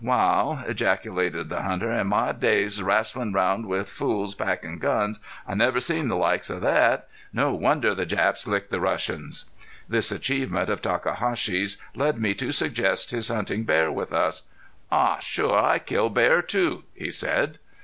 "Wal," ejaculated the hunter, "in all my days raslin' round with fools packin' guns I never seen the likes of thet. No wonder the Japs licked the Russians!" This achievement of Takahashi's led me to suggest his hunting bear with us. "Aw sure I kill bear too," he said.